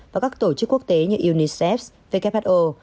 và các tổ chức quốc tế như unicef who